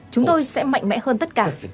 chúng tôi sẽ mạnh mẽ hơn tất cả